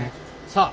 さあ。